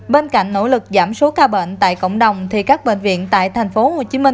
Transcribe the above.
bên cạnh nỗ lực giảm số ca bệnh tại cộng đồng thì các bệnh viện tại tp hcm